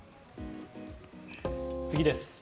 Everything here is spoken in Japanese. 次です。